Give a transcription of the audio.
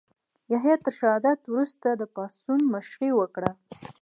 یحیی تر شهادت وروسته یې پاڅون مشري وکړه.